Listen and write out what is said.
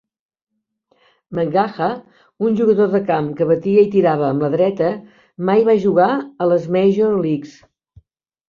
McGaha, un jugador de camp que batia i tirava amb la dreta, mai va jugar a les Major Leagues.